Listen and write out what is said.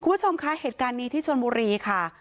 คุณผู้ชมคะเหตุการณ์นี้ที่ชนบุรีค่ะ